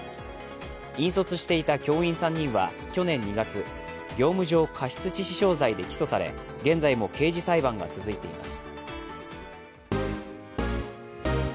引率していた教員３人は去年２月、業務上過失致死傷罪で起訴され現在も刑事裁判が続いています。